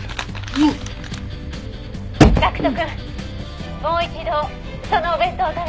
もう一度そのお弁当を食べてみて」